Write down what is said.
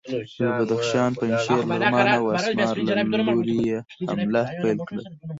له بدخشان، پنجشیر، لغمان او اسمار له لوري یې حمله پیل کړه.